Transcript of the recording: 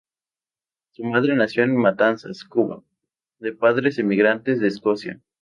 Su madre nació en Matanzas, Cuba, de padres emigrantes de Escocia.